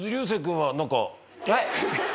はい。